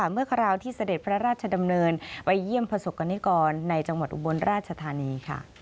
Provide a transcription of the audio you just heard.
เมื่อคราวที่เสด็จพระราชดำเนินไปเยี่ยมประสบกรณิกรในจังหวัดอุบลราชธานี